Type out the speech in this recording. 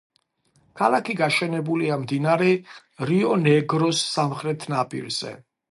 ქალაქი გაშენებულია მდინარე რიო-ნეგროს სამხრეთ ნაპირზე.